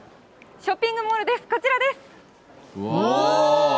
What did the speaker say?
ショッピングモールです、こちらです。